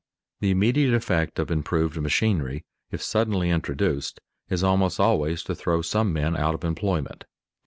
_The immediate effect of improved machinery, if suddenly introduced, is almost always to throw some men out of employment.